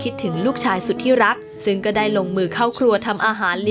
อยู่ข้างกันไหนจะมีฉันอยู่